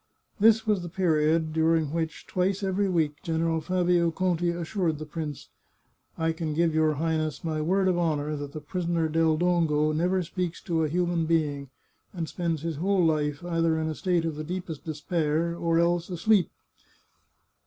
This was the period during which, twice every week, General Fabio Conti assured the prince :" I can give your Highness my word of honour that the prisoner Del Dongo never speaks to a human being, and spends his whole life either in a state of the deepest despair or else asleep."